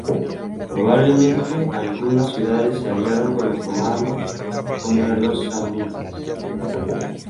Probablemente algunas ciudades se aliaron con los romanos contra los samnitas.